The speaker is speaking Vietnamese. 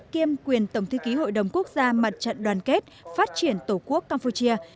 kiêm quyền tổng thư ký hội đồng quốc gia mặt trận đoàn kết phát triển tổ quốc campuchia